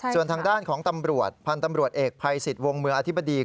ส่วนทางด้านของตำรวจพันธ์ตำรวจเอกภัยสิทธิ์วงเมืองอธิบดี